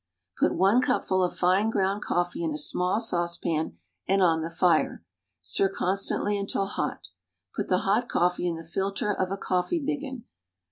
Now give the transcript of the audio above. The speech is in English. Put one cupful of fine ground coffee in a small saucepan and on the fire. Stir constantly until hot. Put the hot coffee in the filter of a coffee biggin.